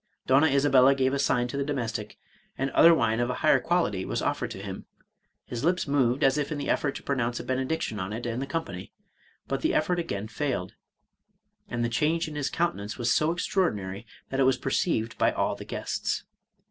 Donna Isabella gave a sign to a domestic, and other wine of a higher quality was offered to him. His lips moved, as if in the effort to pronounce a benediction on it and the company, but the elBfort again failed; and the change in his countenance was so extraordinary, that it was perceived by all the guests.